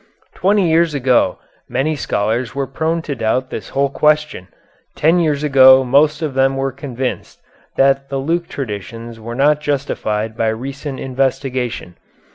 Twenty years ago many scholars were prone to doubt this whole question. Ten years ago most of them were convinced that the Luke traditions were not justified by recent investigation.